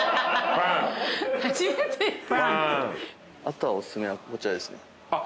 あとはおすすめはこちらですね。